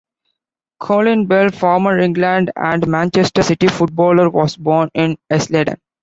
Colin Bell, former England and Manchester City footballer, was born in Hesleden.